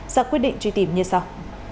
ra quyết định truy tìm như sau